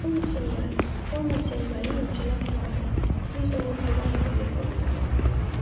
Сылне сем марийын, чынак, сылне, Юзо мут памаш гай йоргыкта.